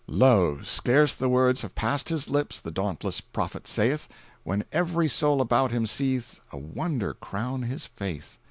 Lo! scarce the words have passed his lips The dauntless prophet say'th, When every soul about him seeth A wonder crown his faith!